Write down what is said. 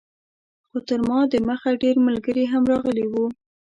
خو تر ما دمخه ډېر ملګري هم راغلي وو.